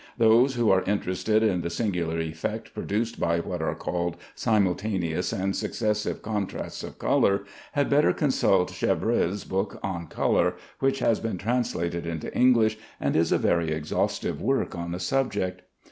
Those who are interested in the singular effect produced by what are called simultaneous and successive contrasts of color had better consult Chevreuil's book on color, which has been translated into English, and is a very exhaustive work on the subject.